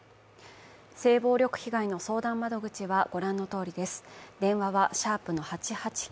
性暴力被害の相談窓口はご覧のとおりです。